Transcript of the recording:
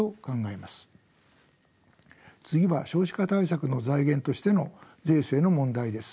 次は少子化対策の財源としての税制の問題です。